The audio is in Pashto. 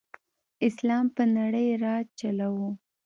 اسلام په نړۍ راج چلاؤ.